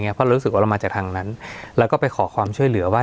เพราะเรารู้สึกว่าเรามาจากทางนั้นแล้วก็ไปขอความช่วยเหลือว่า